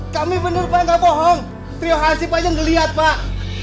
kami bener pak gak bohong trio hansi panjang ngeliat pak